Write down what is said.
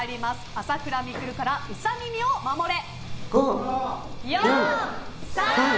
朝倉未来からウサ耳を守れ！